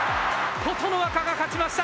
琴ノ若が勝ちました。